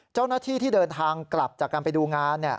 เจ้าหน้าที่ที่เดินทางกลับจากการไปดูงาน